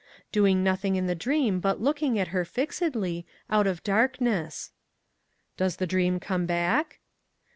Doing nothing in the dream but looking at her fixedly, out of darkness.' 'Does the dream come back?